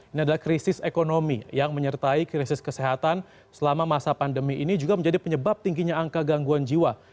ini adalah krisis ekonomi yang menyertai krisis kesehatan selama masa pandemi ini juga menjadi penyebab tingginya angka gangguan jiwa